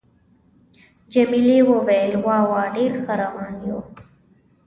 جميلې وويل:: وا وا، ډېر ښه روان یو.